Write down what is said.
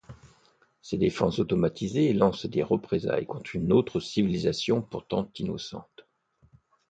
Ses défenses automatisées lancent des représailles contre une autre civilisation pourtant innocente.